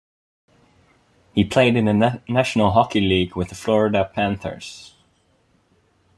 He played in the National Hockey League with the Florida Panthers.